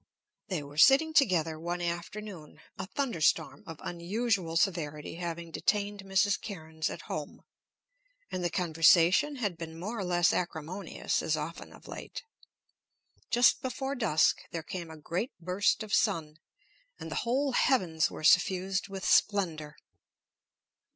They were sitting together one afternoon, a thunderstorm of unusual severity having detained Mrs. Cairnes at home, and the conversation had been more or less acrimonious, as often of late. Just before dusk there came a great burst of sun, and the whole heavens were suffused with splendor.